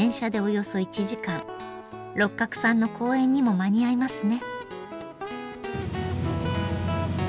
六角さんの公演にも間に合いますね。